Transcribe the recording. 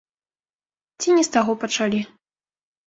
Ці не з таго пачалі.